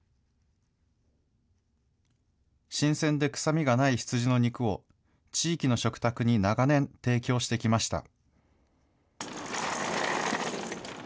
新鮮で臭みがない羊の肉を、地域の食卓に長年、提供してきました。